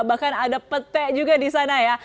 bahkan ada pete juga di sana ya